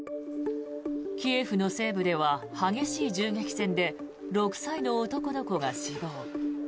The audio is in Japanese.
キエフの西部では激しい銃撃戦で６歳の男の子が死亡。